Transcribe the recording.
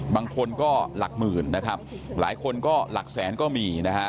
บางคนก็หลักหมื่นหลายคนก็หลักแสนก็มี